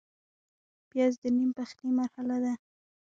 پیاز د نیم پخلي مرحله ده